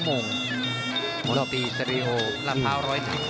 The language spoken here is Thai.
มันตีเสรีย์โอละท้าวร้อยทั้ง